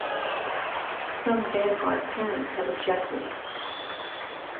Some Vanguard parents had objected.